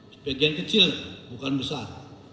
sebagian kecil bukan besar